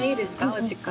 お時間。